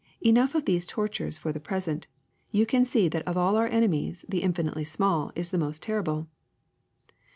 Enough of these tor tures for the present. You can see that of all our enemies the infinitely small is the most terrible.